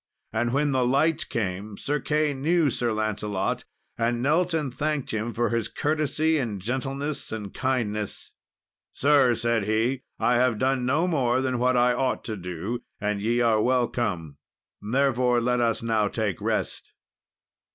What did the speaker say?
And when the light came, Sir Key knew Sir Lancelot, and knelt and thanked him for his courtesy, and gentleness, and kindness. "Sir," said he, "I have done no more than what I ought to do, and ye are welcome; therefore let us now take rest."